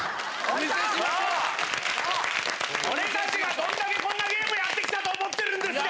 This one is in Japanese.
俺たちがどんだけこんなゲームやって来たと思ってるんですか！